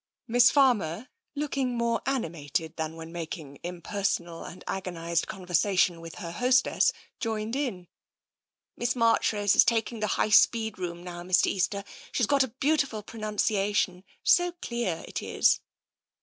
Miss Fanner, looking more animated than when making impersonal and agonised conversation with her hostess, joined in. " Miss Marchrose is taking the High Speed room now, Mr. Easter. She's got a beautiful pronouncia tion — so clear, it is."